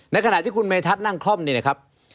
ขณะที่คุณเมธัศนนั่งคล่อมนี่นะครับ